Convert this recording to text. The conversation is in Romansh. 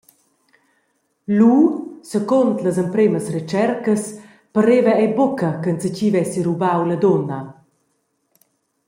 Lu –secund las empremas retschercas –pareva ei buca ch’enzatgi vessi rubau la dunna.